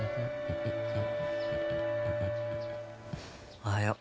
・おはよう。